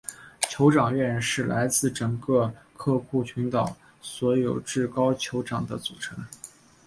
酋长院是来自整个库克群岛所有至高酋长的组成。